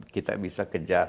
kita bisa kejar